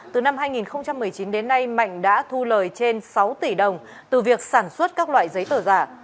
từ năm hai nghìn một mươi chín đến nay mạnh đã thu lời trên sáu tỷ đồng từ việc sản xuất các loại giấy tờ giả